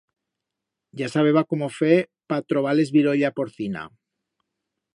Ya sabeba cómo fer pa trobar-les birolla porcina.